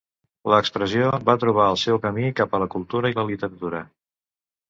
La expressió va trobar el seu camí cap a la cultura i la literatura.